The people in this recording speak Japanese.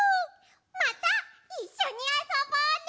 またいっしょにあそぼうね。